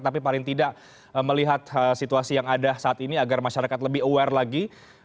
tapi paling tidak melihat situasi yang ada saat ini agar masyarakat lebih aware lagi